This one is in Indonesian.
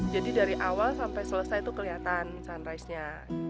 jadi dari awal sampai selesai itu kelihatan sunrisenya